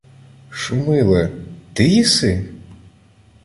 — Шумиле... ти єси?